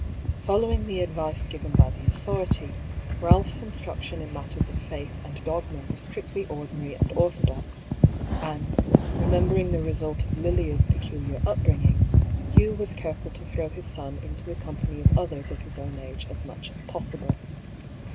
Following the advice given by the authority, Ralph's instruction in matters of faith and dogma was strictly ordinary and orthodox ; and remembering the result of Lilia's peculiar up bringing, Hugh was careful to throw his son into the company of others of his own age as much as possible.